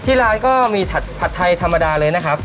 ที่ร้านก็มีผัดไทยธรรมดาเลยนะครับ